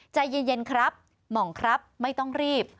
ใจเย็นครับหม่องครับไม่ต้องรีบ